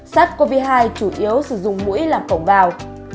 sars cov hai chủ yếu sử dụng mũi làm phổng vào